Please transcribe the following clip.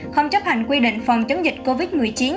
không chấp hành quy định phòng chống dịch covid một mươi chín